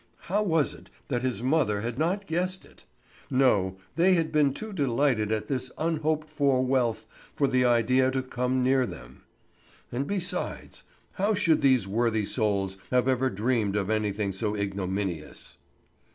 How was it that his mother had not guessed it? No; they had been too delighted at this unhoped for wealth for the idea to come near them. And besides, how should these worthy souls have ever dreamed of anything so ignominious?